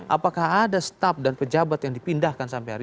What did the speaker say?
apakah ada staf dan pejabat yang dipindahkan ke sini